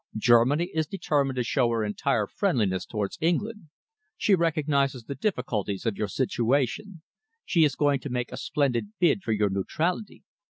Germany is determined to show her entire friendliness towards England. She recognises the difficulties of your situation. She is going to make a splendid bid for your neutrality.